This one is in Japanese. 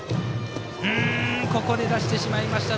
ここで出してしまいました。